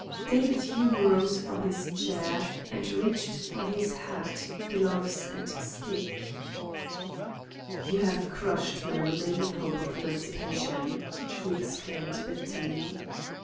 David Hume rose from his chair, and reached for his hat, gloves, and stick. "You have crushed my remaining hope of emancipation," he exclaimed bitterly.